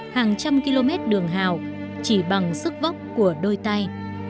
hàng trăm km đường hào chỉ bằng sức vóc của đôi tay